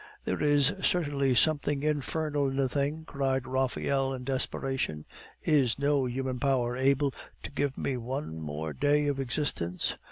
"There is certainly something infernal in the thing!" cried Raphael, in desperation. "Is no human power able to give me one more day of existence?"